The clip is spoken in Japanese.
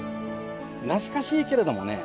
懐かしいけれどもね